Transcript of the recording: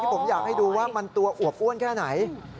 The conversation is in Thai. ผมอยากให้ดูว่ามันตัวอวบอ้วนแค่ไหน